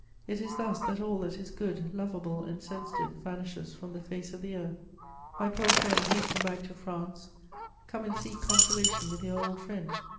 It is thus that all that is good, lovable and sensitive vanishes from the face of the earth. My poor friend, hasten back to France; come and seek consolation with your old friend.